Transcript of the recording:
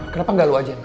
kenapa nggak lo ajak mama